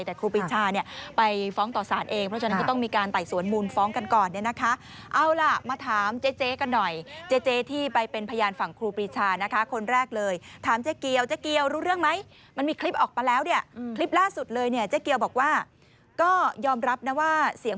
แต่ครูปีชาเป็นไหนบ้าง